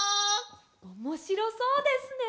おもしろそうですね！